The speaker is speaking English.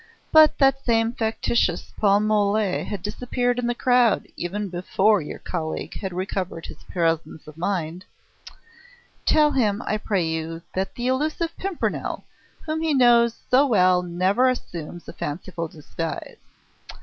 But that same factitious Paul Mole had disappeared in the crowd even before your colleague had recovered his presence of mind. Tell him, I pray you, that the elusive Pimpernel whom he knows so well never assumes a fanciful disguise.